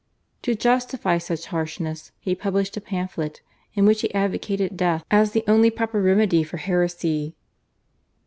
To justify such harshness he published a pamphlet in which he advocated death as the only proper remedy for heresy.